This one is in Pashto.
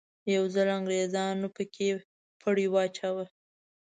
یو ځل انګریزانو په کې پړی واچاوه.